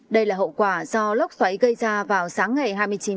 đây là hậu quả do lốc xoáy gây ra vào sáng ngày hai mươi chín tháng chín